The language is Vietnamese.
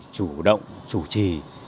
chủ động chủ trì